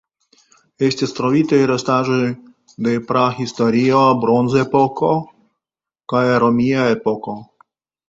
Estis trovitaj restaĵoj de prahistorio (Bronzepoko) kaj romia epoko.